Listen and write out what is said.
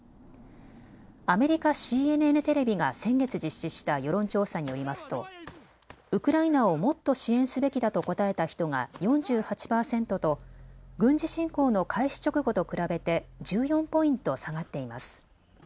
アメリカＣＮＮテレビが先月実施した世論調査によりますとウクライナをもっと支援すべきだと答えた人が４８％と軍事侵攻の開始直後と比べて１４ポイント下がっています。